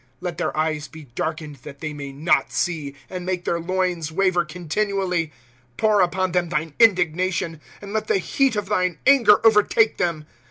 53 Let their eyes be darkened, that they may not see, And make their loins waver continually. 5* Pour upon them thine indignation, And let the heat of thine anger overtake them.